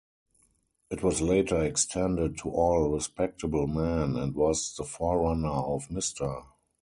It was later extended to all respectable men and was the forerunner of "Mister".